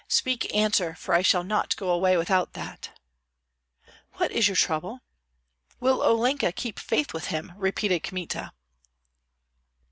Speak, answer, for I shall not go away without that!" "What is your trouble?" "Will Olenka keep faith with him?" repeated Kmita.